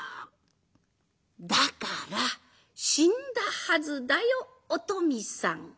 だから「死んだはずだよお富さん」。